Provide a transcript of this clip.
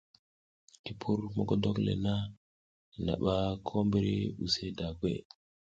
Ki pur mogodok le na, naɓa ko mbri use da gweʼe.